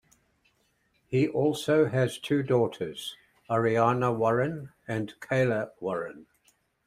He also has two daughters, Ariana Warren and Kayla Warren.